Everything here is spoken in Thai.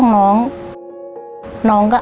ผมรักพ่อกับแม่บ้างครับ